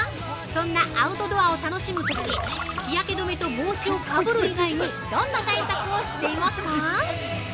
そんなアウトドアを楽しむとき日焼け止めと帽子をかぶる以外にどんな対策をしていますか？